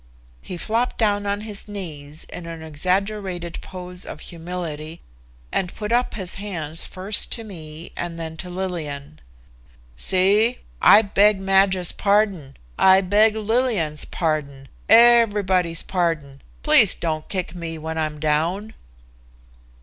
He flopped down on his knees in an exaggerated pose of humility, and put up his hands first to me and then to Lillian. "See. I beg Madge's pardon. I beg Lillian's pardon, everybody's pardon. Please don't kick me when I'm down."